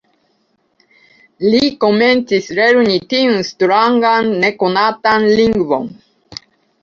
Li komencis lerni tiun strangan nekonatan lingvon.